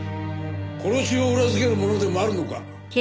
殺しを裏付けるものでもあるのか？